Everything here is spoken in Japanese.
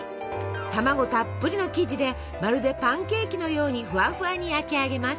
卵たっぷりの生地でまるでパンケーキのようにフワフワに焼き上げます。